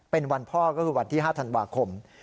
เป็นวันพ่อก็คือวันที่๕ธันวาคม